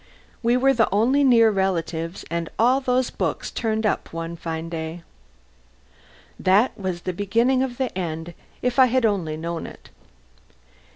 We were the only near relatives, and all those books turned up one fine day. That was the beginning of the end, if I had only known it.